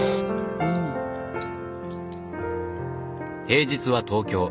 平日は東京